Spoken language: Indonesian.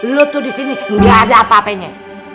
lu tuh disini gak ada apa apa nya